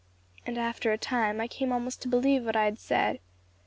And after a time I came almost to believe what I had said.